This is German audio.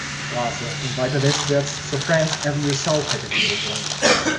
Straße und weiter westwärts zur France Avenue South hätte führen sollen.